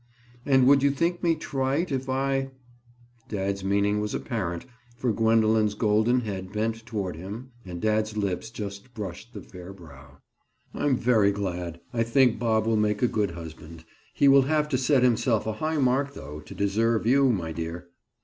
"And would you think me trite if I—?" Dad's meaning was apparent for Gwendoline's golden head bent toward him and dad's lips just brushed the fair brow. "I'm very glad. I think Bob will make a good husband. He will have to set himself a high mark though, to deserve you, my dear."